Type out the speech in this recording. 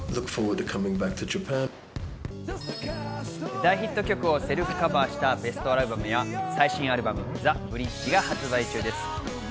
大ヒット曲をセルフカバーしたベストアルバムや最新アルバム『ＴｈｅＢｒｉｄｇｅ』が発売中です。